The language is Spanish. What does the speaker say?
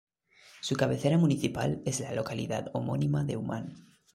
Su cabecera municipal es la localidad homónima de Umán.